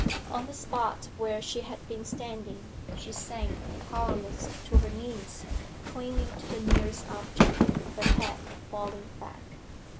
On the spot where she had been standing she sank powerless to her knees, clinging to the nearest object, her head falling back.